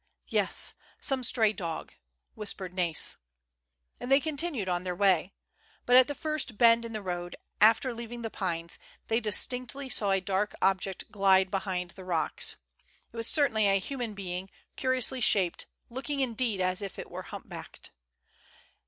"Yes; some stray dog," whispered NaYs. And they continued on their way. But, at the first bend in the road, after leaving the pines, they distinctly saw a dark object glide behind the rocks. It was cer DISCOVERED. 131 tainly a human being, curiously shaped, looking, indeed, as if it were humpbacked.